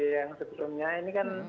yang sebelumnya ini kan